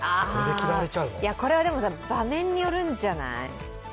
これは場面によるんじゃない？